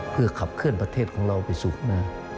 เพื่อขับเคลื่อนประเทศของเราไปสู่ข้างหน้า